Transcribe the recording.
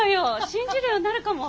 信じるようになるかも！